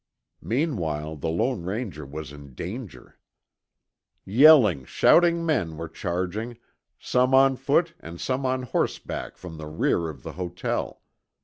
Meanwhile the Lone Ranger was in danger. Yelling, shouting men were charging, some on foot and some on horseback from the rear of the hotel.